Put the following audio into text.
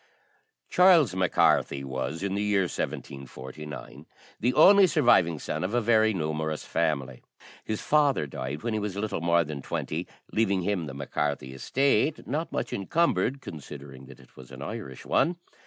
Charles Mac Carthy was, in the year 1749, the only surviving son of a very numerous family. His father died when he was little more than twenty, leaving him the Mac Carthy estate, not much encumbered, considering that it was an Irish one.